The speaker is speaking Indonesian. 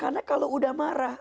karena kalau udah marah